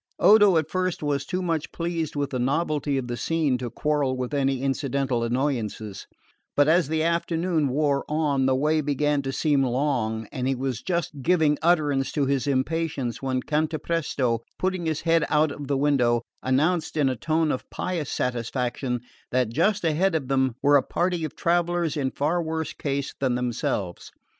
Odo at first was too much pleased with the novelty of the scene to quarrel with any incidental annoyances; but as the afternoon wore on the way began to seem long, and he was just giving utterance to his impatience when Cantapresto, putting his head out of the window, announced in a tone of pious satisfaction that just ahead of them were a party of travellers in far worse case than themselves.